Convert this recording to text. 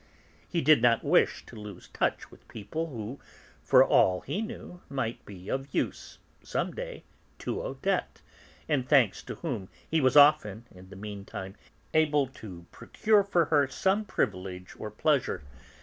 He did not wish to lose touch with people who, for all that he knew, might be of use, some day, to Odette, and thanks to whom he was often, in the meantime, able to procure for her some privilege or pleasure.